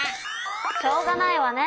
しょうがないわね。